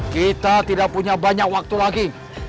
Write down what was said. kita tidak punya banyak waktu lagi